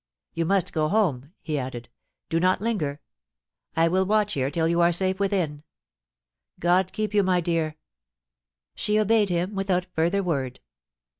You must go home,' he added ' Do not linger. I will watch here till you are safe within. God keep you, my dear I' She obeyed him without further word.